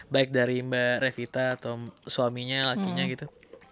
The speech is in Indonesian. baik dari mbak revita atau suaminya lakinya gitu